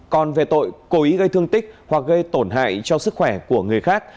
còn về tội cố ý gây thương tích hoặc gây tổn hại cho sức khỏe của người khác